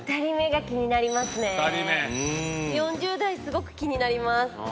４０代すごく気になります。